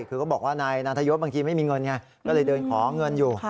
คือก็บอกว่านายนาทยศบางทีไม่มีเงินไงก็เลยเดินขอเงินอยู่